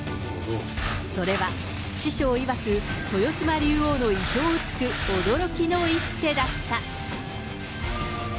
それは、師匠いわく、豊島竜王の意表をつく驚きの一手だった。